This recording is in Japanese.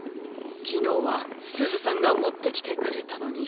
きのうはすずさんがもってきてくれたのに。